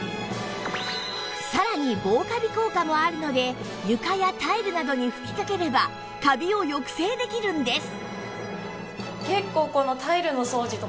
さらに防カビ効果もあるので床やタイルなどに吹きかければカビを抑制できるんです